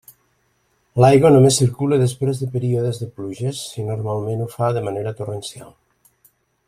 L'aigua només circula després de períodes de pluges, i normalment ho fa de manera torrencial.